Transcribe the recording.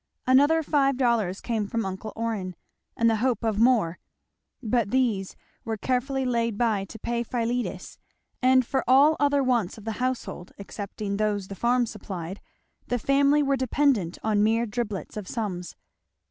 Another five dollars came from uncle Orrin, and the hope of more; but these were carefully laid by to pay Philetus; and for all other wants of the household excepting those the farm supplied the family were dependent on mere driblets of sums.